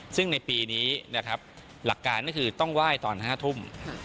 ซึ่งในปีนี้หลักการคือต้องไหว้ตอน๕ทุ่ม